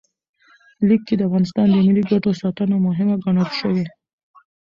لیک کې د افغانستان د ملي ګټو ساتنه مهمه ګڼل شوې.